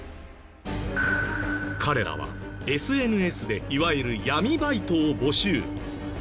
彼らはＳＮＳでいわゆる闇バイトを募集。